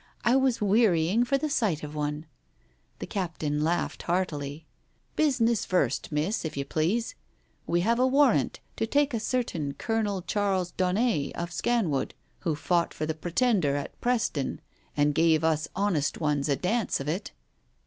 I was wearying for the sight of one." The Captain laughed heartily. "Business, first, Miss, if you please. We have a warrant to take a certain Colonel Charles Daunet of Scanwood, who fought for the Pretender at Preston and gave us honest ones a dance of it."